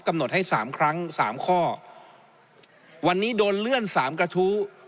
กำหนดให้สามครั้งสามข้อวันนี้โดนเลื่อนสามกระทู้